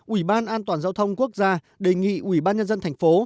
ủy ban an toàn giao thông quốc gia đề nghị ủy ban nhân dân thành phố